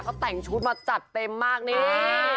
เขาแต่งชุดมาจัดเต็มมากนี่